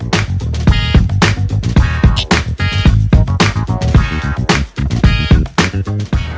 หัวหน้าใช่เหรอ